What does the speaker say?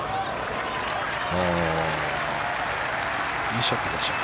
いいショットですよ。